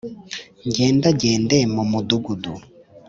Ngendagende mu mudugudu